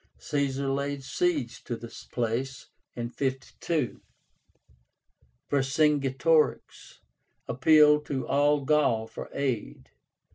Caesar laid siege to this place (52). Vercingetorix appealed to all Gaul for aid.